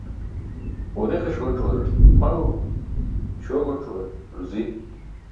Ġuniqi̇ṣ goc̣uwar maẏo, śuwa goc̣uwar ruzi